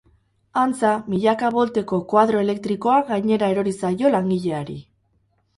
Antza, milaka volteko koadro elektrikoa gainera erori zaio langileari.